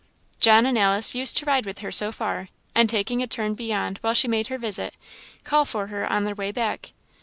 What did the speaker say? John and Alice used to ride with her so far, and taking a turn beyond while she made her visit, call for her on their way back.